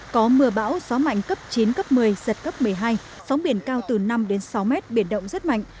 có mưa bão gió mạnh cấp chín cấp một mươi giật cấp một mươi hai sóng biển cao từ năm đến sáu mét biển động rất mạnh